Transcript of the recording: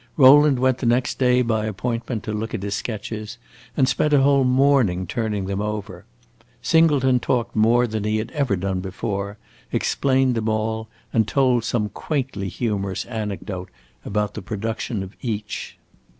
Rowland went the next day, by appointment, to look at his sketches, and spent a whole morning turning them over. Singleton talked more than he had ever done before, explained them all, and told some quaintly humorous anecdote about the production of each.